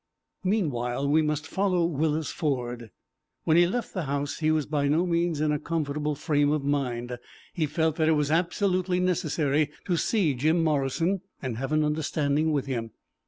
Meanwhile, we must follow Willis Ford. When he left the house, he was by no means in a comfortable frame of mind. He felt that it was absolutely necessary to see Jim Morrison, and have an understanding with him.